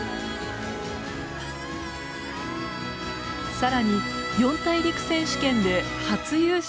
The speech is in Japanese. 更に四大陸選手権で初優勝。